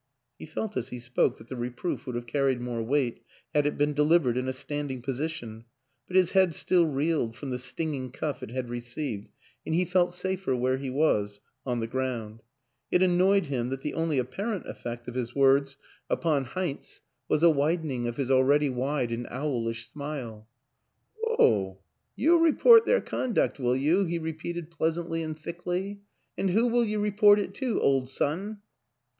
He felt as he spoke that the reproof would have carried more weight had it been delivered in a standing position; but his head still reeled from the stinging cuff it had received and he felt safer where he was on the ground. It annoyed him that the only apparent effect of his words upon 88 WILLIAM AN ENGLISHMAN Heinz was a widening of his already wide and owlish smile. " Oh, you'll report their conduct, will you?" he repeated pleasantly and thickly. " And who will you report it to, old son?